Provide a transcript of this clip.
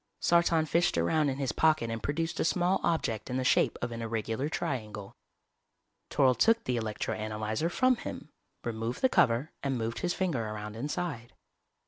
Sartan fished around in his pocket and produced a small object in the shape of an irregular triangle. Toryl took the electro analyzer from him, removed the cover and moved his finger around inside.